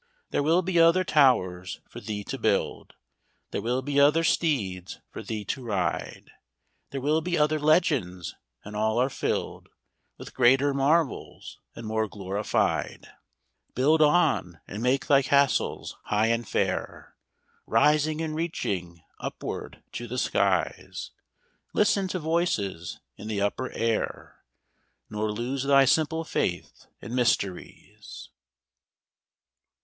There will be other towers for thee to build; There will be other steeds for thee to ride; There will be other legends, and all filled With greater marvels and more glorified. Build on, and make thy castles high and fair, Rising and reaching upward to the skies; Listen to voices in the upper air, Nor lose thy simple faith in mysteries.